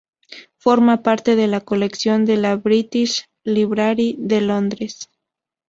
Forma parte de la colección de la British Library de Londres.